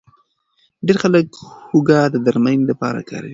ډېر خلک هوږه د درملنې لپاره کاروي.